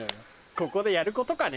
ここでやることかね